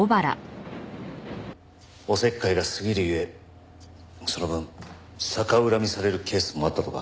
お節介がすぎるゆえその分逆恨みされるケースもあったとか。